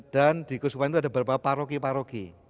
dan di kesukupan itu ada beberapa paroki paroki